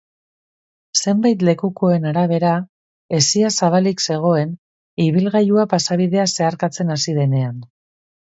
Zenbait lekukoen arabera, hesia zabalik zegoen ibilgailua pasabidea zeharkatzen hasi denean.